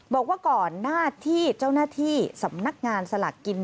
บอกว่าก่อนหน้าที่เจ้าหน้าที่สำนักงานสลากกิน